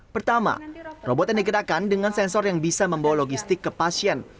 pertama robot yang digerakkan dengan sensor yang bisa membawa logistik ke pasien